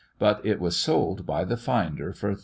but it was sold by the finder for 35l.